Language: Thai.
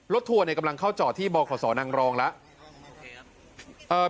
ทัวร์กำลังเข้าจอดที่บขสนังรองแล้ว